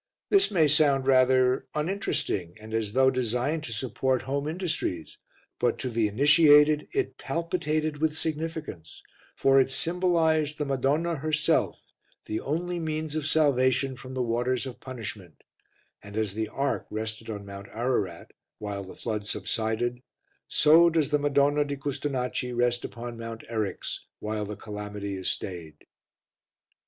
This may sound rather uninteresting and as though designed to support home industries, but, to the initiated, it palpitated with significance, for it symbolized the Madonna herself, the only means of salvation from the waters of punishment; and as the Ark rested on Mount Ararat while the flood subsided, so does the Madonna di Custonaci rest upon Mount Eryx while the calamity is stayed.